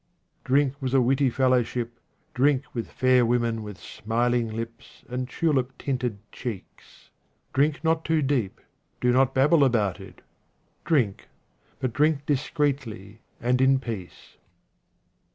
DRINK with a witty fellowship, drink with fair women with smiling lips and tulip tinted cheeks. i5 QUATRAINS OF OMAR KHAYYAM Drink not too deep, do not babble about it. Drink ; but drink discreetly and in peace.